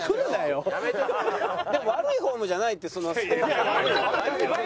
でも悪いフォームじゃないって。